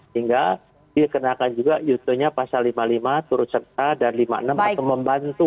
hingga dikenakan juga yuto nya pasal lima puluh lima turut serta dan lima puluh enam atau membantu